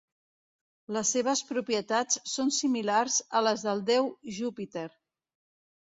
Les seves propietats són similars a les del déu Júpiter.